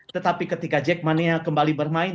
tetapi ketika jack mania kembali bermain